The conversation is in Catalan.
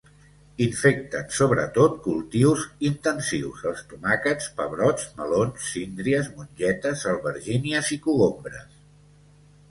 Infecten sobretot cultius intensius els tomàquets, pebrots, melons, síndries, mongetes, albergínies i cogombres.